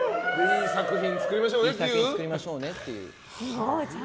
いい作品作りましょうねっていう。